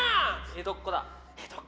江戸っ子。